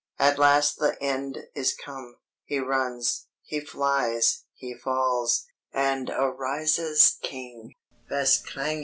At last the end is come ... he runs, he flies, he falls, and arises King!"